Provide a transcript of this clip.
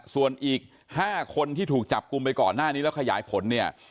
ส่วนอีก๕คนที่ถูกจับกลุ่มไปก่อนหน้านี้แล้วขยายผลเนี่ย